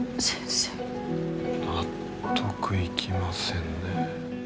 納得いきませんね。